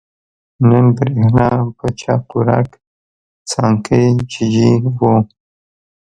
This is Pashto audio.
نه برېښنا په چاقوړک، سانکۍ ججي وو